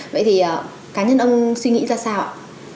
vậy thì cá nhân ông suy nghĩ ra sao ạ